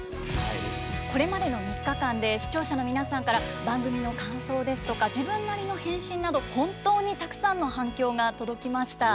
これまでの３日間で視聴者の皆さんから番組の感想や自分なりの返信などたくさんの反響が届きました。